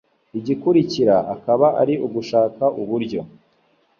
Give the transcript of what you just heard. Igikurikira akaba ari ugushaka uburyo